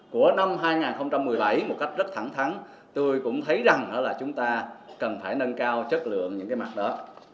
cách rất thẳng thắng tôi cũng thấy rằng là chúng ta cần phải nâng cao chất lượng những cái mặt đó